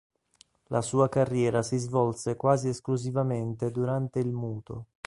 La sua carriera si svolse quasi esclusivamente durante il muto.